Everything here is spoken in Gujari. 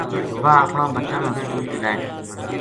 واہ اپنا بچاں نا سکول چلائے تھی